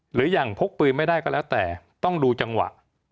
หรือยังพกปืนไม่ได้ก็แล้วแต่ต้องดูจังหวะ